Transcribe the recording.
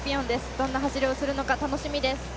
どんな走りをするのか楽しみです。